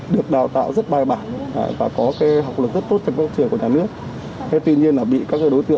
được đào tạo rất bài bản và có cái học lực rất tốt trong các trường của nhà nước